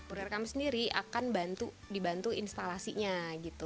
urier kami sendiri akan dibantu instalasinya gitu